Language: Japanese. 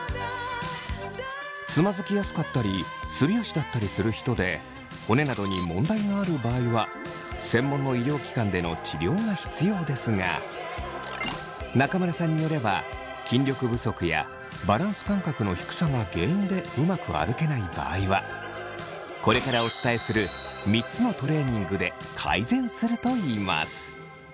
つまずきやすかったりすり足だったりする人で骨などに問題がある場合は専門の医療機関での治療が必要ですが中村さんによれば筋力不足やバランス感覚の低さが原因でうまく歩けない場合はこれからお伝えする３つのトレーニングで改善するといいます。